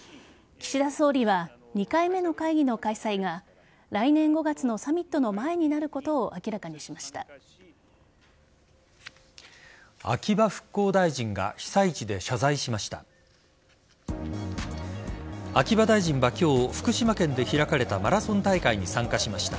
岸田総理は２回目の会議の開催が来年５月のサミットの前になることを明らかにしました。